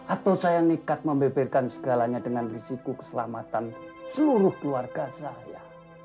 atau saya nekat membeberkan segalanya dengan risiko keselamatan seluruh keluarga saya